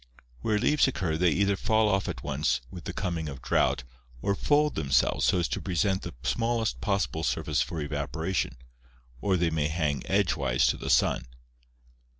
Where leaves occur they either fall off at once with the coming of drought or fold themselves so as to present the smallest possible surface for evaporation, or they may hang edgewise to the sun.